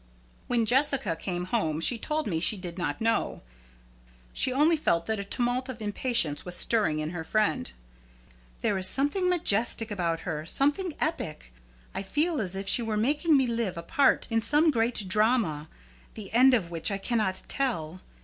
When Jessica came home she told me she did not know. She only felt that a tumult of impatience was stirring in her friend. "There is something majestic about her, something epic. I feel as if she were making me live a part in some great drama, the end of which I cannot tell.